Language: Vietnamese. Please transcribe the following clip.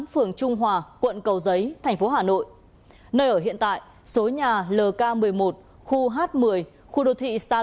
phường trung hòa quận cầu giấy thành phố hà nội nơi ở hiện tại số nhà lk một mươi một khu h một mươi khu đô thị start